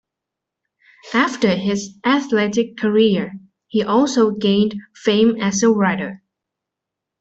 After his athletic career, he also gained fame as a writer.